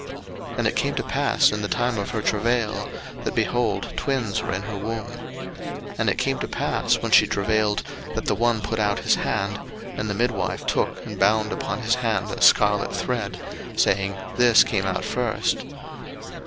01:038:027 And it came to pass in the time of her travail, that, behold, twins were in her womb. 01:038:028 And it came to pass, when she travailed, that the one put out his hand: and the midwife took and bound upon his hand a scarlet thread, saying, This came out first.